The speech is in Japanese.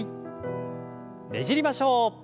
ねじりましょう。